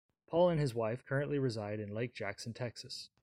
Paul and his wife currently reside in Lake Jackson, Texas.